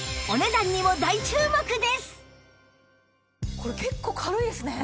これ結構軽いですね。